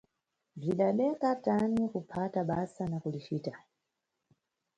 Bzidadeka tani kuphata basa na kulicita!